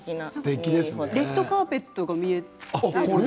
レッドカーペットが見えていて。